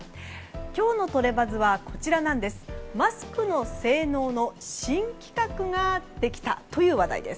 今日のトレバズはマスクの性能の新規格ができたという話題です。